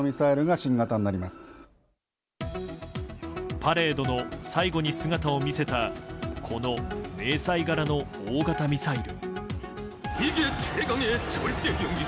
パレードの最後に姿を見せたこの迷彩柄の大型ミサイル。